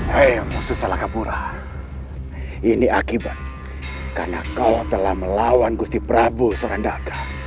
hei musuh salakapura ini akibat karena kau telah melawan gusti prabu sorandaka